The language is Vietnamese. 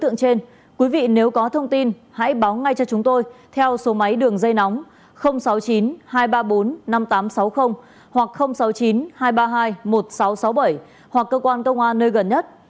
đối tượng trên quý vị nếu có thông tin hãy báo ngay cho chúng tôi theo số máy đường dây nóng sáu mươi chín hai trăm ba mươi bốn năm nghìn tám trăm sáu mươi hoặc sáu mươi chín hai trăm ba mươi hai một nghìn sáu trăm sáu mươi bảy hoặc cơ quan công an nơi gần nhất